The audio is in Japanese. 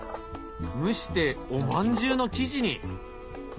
蒸しておまんじゅうの生地に！